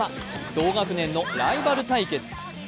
同学年のライバル対決。